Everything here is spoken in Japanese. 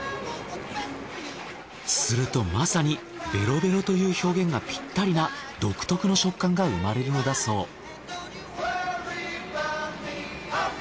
するとまさにベロベロという表現がピッタリな独特の食感が生まれるのだそう。